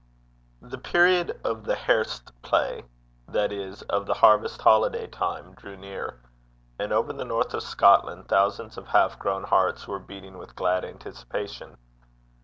The period of the hairst play, that is, of the harvest holiday time, drew near, and over the north of Scotland thousands of half grown hearts were beating with glad anticipation.